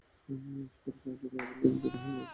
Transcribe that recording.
পুরো শহর জুড়ে আমার গ্যাং রেডি হয়ে অপেক্ষা করছে।